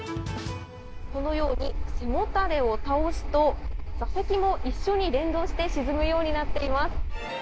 このように、背もたれを倒すと、座席も一緒に連動して沈むようになっています。